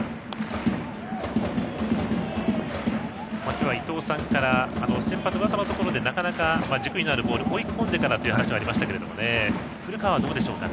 今日は伊東さんから先発、上沢のところでなかなか軸になるボール追い込んでからという話がありましたが古川はどうでしょうか。